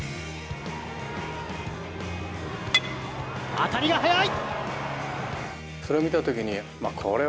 当たりが速い！